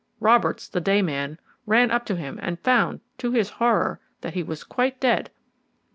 Roberts, the day man, ran up to him and found, to his horror, that he was quite dead.